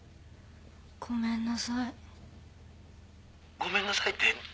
ごめんなさいて。